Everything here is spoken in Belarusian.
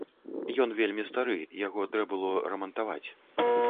Ён вельмі стары, яго трэ было рамантаваць.